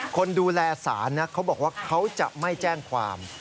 คนดูแลศาลนะเขาบอกว่าเขาจะไม่แจ้งความ